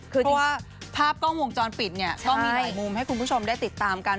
คือที่ว่าภาพกล้องวงจรปิดเนี่ยก็มีหลายมุมให้คุณผู้ชมได้ติดตามกัน